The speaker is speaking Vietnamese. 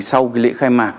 sau lễ khai mạc